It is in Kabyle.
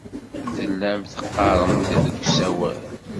Tellam teɣɣarem-d deg usawal.